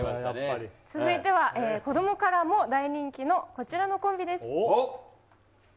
続いては子どもからも大人気のこちらのコンビです。